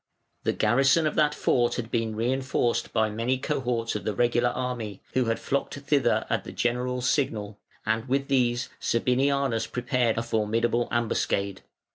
The garrison of that fort had been reinforced by many cohorts of the regular army who had flocked thither at the general's signal, and with these Sabinianus prepared a formidable ambuscade.